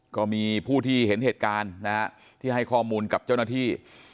ก็มีผู้ที่เห็นเหตุการณ์นะฮะที่ให้ข้อมูลกับเจ้าหน้าที่